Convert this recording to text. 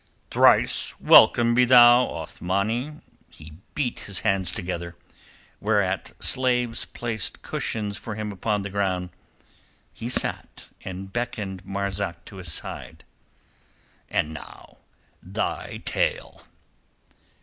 "Thrice welcome be thou, Othmani." He beat his hands together, whereat slaves placed cushions for him upon the ground. He sat, and beckoned Marzak to his side. "And now thy tale!"